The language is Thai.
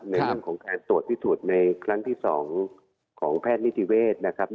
ในเรื่องของแสดงส่วนที่สุดในครั้งที่สองของแพทย์นิทริเวศนะครับ